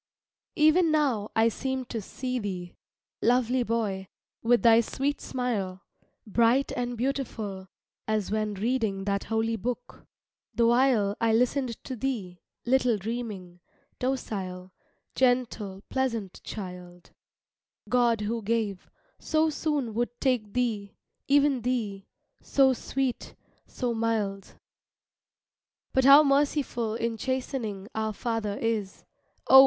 Even now I seem to see thee, Lovely boy, with thy sweet smile, Bright and beautiful as when Reading that holy book, the while I listened to thee, little dreaming, Docile, gentle, pleasant child, God who gave, so soon would take thee, Even thee, so sweet, so mild. But how merciful in chastening Our father is oh!